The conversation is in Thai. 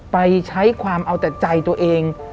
ไปใช้ความเอาแต่ใจตัวเอง